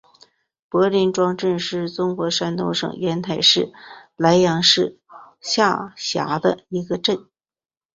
柏林庄镇是中国山东省烟台市莱阳市下辖的一个镇。